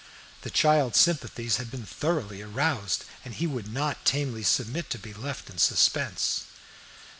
The child's sympathies had been thoroughly aroused, and he would not tamely submit to be left in suspense.